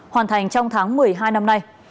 hoàn thành trong tháng một mươi hai năm nay